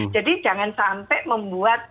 jadi jangan sampai membuat